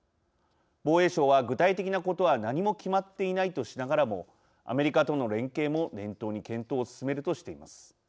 防衛省は、具体的なことは何も決まっていないとしながらもアメリカとの連携も念頭に検討を進めるとしています。